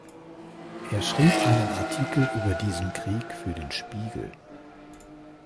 Er schrieb einen Artikel über diesen Krieg für den "Spiegel".